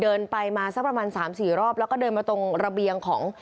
เดินไปมาสักประมาณสามสี่รอบแล้วก็เดินมาตรงระเบียงของ